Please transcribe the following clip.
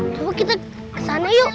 coba kita kesana yuk